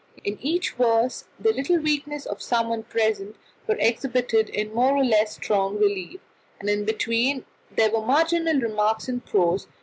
In each verse the little weaknesses of someone present were exhibited in more or less strong relief, and in between there were marginal remarks in prose.